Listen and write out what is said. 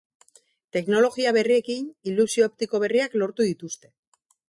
Teknologia berriekin ilusio optiko berriak lortu dituzte.